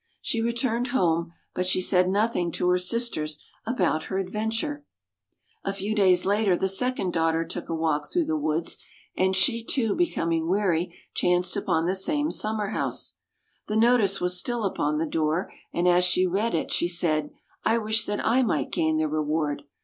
She returned home, but she said nothing to her sisters about her adventure. [ 74 ] THE MILLEWS DAUGHTER A few days later the second daughter took a walk through the M^oods; and she, too, be coming weary, chanced upon the same sum mer house. The notice was still upon the door, and as she read it she said, " I wish that I might gain the reward.